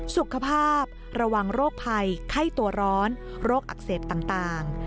สุขภาพระวังโรคภัยไข้ตัวร้อนโรคอักเสบต่าง